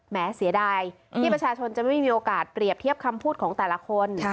เสียดายที่ประชาชนจะไม่มีโอกาสเปรียบเทียบคำพูดของแต่ละคน